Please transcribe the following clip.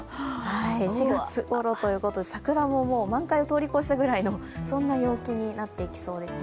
４月ごろということで、桜ももう満開を通り越したくらいのそんな陽気になってきそうですね。